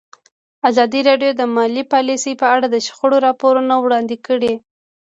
ازادي راډیو د مالي پالیسي په اړه د شخړو راپورونه وړاندې کړي.